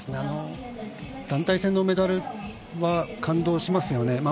団体戦のメダルは感動しますよね。